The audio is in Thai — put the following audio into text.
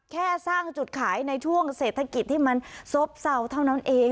แค่สร้างจุดขายในช่วงเศรษฐกิจที่มันซบเศร้าเท่านั้นเอง